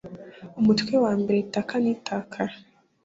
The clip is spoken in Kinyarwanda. umutwe wa mbere ikata n itakara